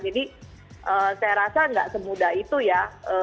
jadi saya rasa nggak semudah itu ya